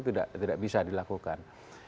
tidak bisa dilakukan